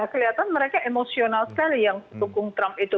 kelihatan mereka emosional sekali yang mendukung trump itu